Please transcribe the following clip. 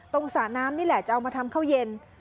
สระน้ำนี่แหละจะเอามาทำข้าวเย็น